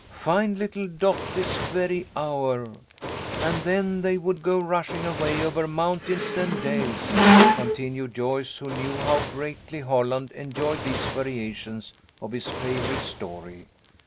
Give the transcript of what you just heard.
Find little Dot this very hour I And then they would go rushing away over moun tains and dales," continued Joyce, who knew how greatly Holland enjoyed these variations of his favourite story.